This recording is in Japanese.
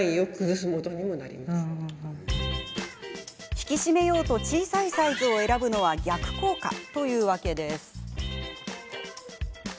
引き締めようと小さいサイズを選ぶのは逆効果というわけです。